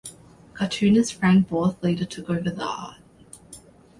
Cartoonist Frank Borth later took over the art.